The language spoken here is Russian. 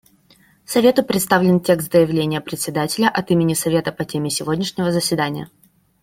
Совету представлен текст заявления Председателя от имени Совета по теме сегодняшнего заседания.